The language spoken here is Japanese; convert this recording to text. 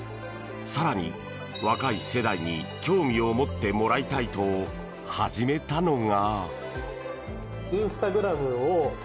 更に、若い世代に興味を持ってもらいたいと始めたのが。